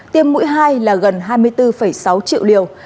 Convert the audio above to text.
tiêm mũi hai là gần hai mươi bốn sáu triệu liều